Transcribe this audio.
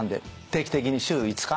定期的に週５日？